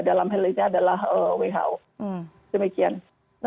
yang kemudian yang dalam hal ini adalah who